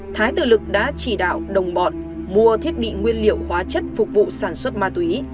thái tự lực đã chỉ đạo đồng bọn mua thiết bị nguyên liệu hóa chất phục vụ sản xuất ma túy